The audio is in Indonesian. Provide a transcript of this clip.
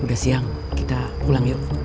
udah siang kita pulang yuk